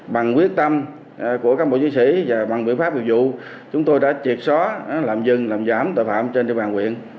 bằng quyết tâm của các bộ giới sĩ và bằng biện pháp việc vụ chúng tôi đã triệt só làm dừng làm giảm tội phạm trên địa bàn quyền